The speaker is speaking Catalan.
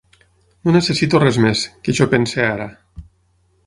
No necessito res més que jo pensi ara.